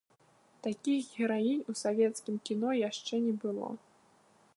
Такіх гераінь ў савецкім кіно яшчэ не было.